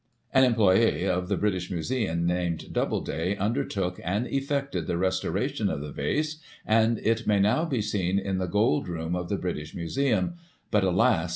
An employe of the British Museum, named Doubleday, undertook, and effected, the restoration of the Vase, and it may now be seen in the Gold Room of the British Museimi, but, alas